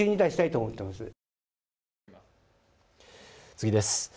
次です。